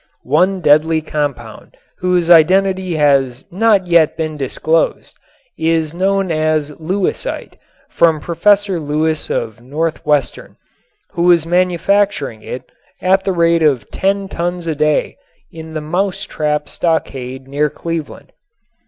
One deadly compound, whose identity has not yet been disclosed, is known as "Lewisite," from Professor Lewis of Northwestern, who was manufacturing it at the rate of ten tons a day in the "Mouse Trap" stockade near Cleveland.